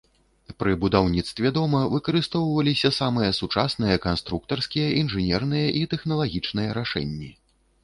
Пры будаўніцтве дома выкарыстоўваліся самыя сучасныя канструктарскія, інжынерныя і тэхналагічныя рашэнні.